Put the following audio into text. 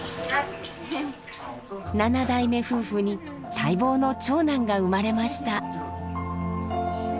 七代目夫婦に待望の長男が生まれました。